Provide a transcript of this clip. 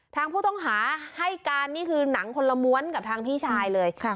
ทางผู้ต้องหาให้การนี่คือหนังคนละม้วนกับทางพี่ชายเลย